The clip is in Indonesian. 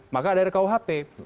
maka ada rkuhp